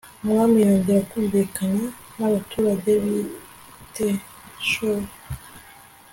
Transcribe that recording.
umwami yongera kumvikana n'abaturage b'i betishuri